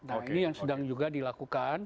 nah ini yang sedang juga dilakukan